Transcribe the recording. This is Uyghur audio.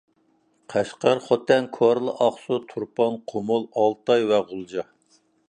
قەشقەر، خوتەن، كورلا، ئاقسۇ، تۇرپان، قۇمۇل، ئالتاي ۋە غۇلجا